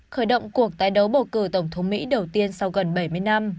khởi động cuộc tái đấu bầu cử tổng thống mỹ đầu tiên sau gần bảy mươi năm